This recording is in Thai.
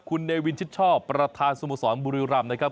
คุณเนวินชิดชอบประธานสโมสรบุรีรำนะครับ